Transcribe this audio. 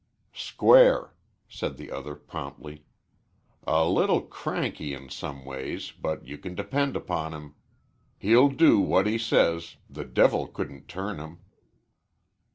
"Square," said the other, promptly. "A little cranky in some ways, but you can depend upon him. He'll do What he says the devil couldn't turn him."